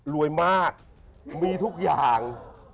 รวยมากมีทุกอย่าง